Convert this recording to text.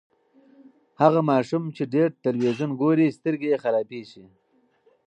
هغه ماشوم چې ډېر تلویزیون ګوري، سترګې یې خرابیږي.